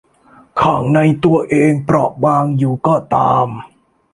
ข้างในตัวเองเปราะบางอยู่ก็ตาม